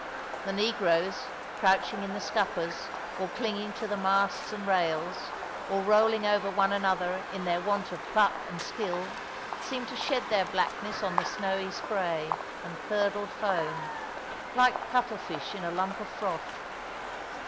The negroes, crouching in the scuppers, or clinging to the masts and rails, or rolling over one another in their want of pluck and skill, seemed to shed their blackness on the snowy spray and curdled foam, like cuttle fish in a lump of froth.